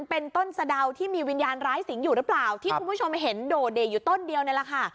เป็นต้นสะดาวที่มีวิญญาณร้ายสิงห์อยู่หรือเปล่าที่คุณผู้ชมเห็นโดดเด่อยู่ต้นเดียวนี่แหละค่ะ